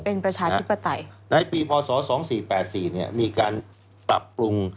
เป็นประชาธิปไตยในปีพศ๒๔๘๔เนี่ยมีการปรับปรุง